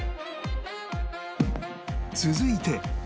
続いて